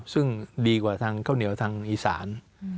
ซึ่งดีกว่าทางข้าวเหนียวทางอีสาน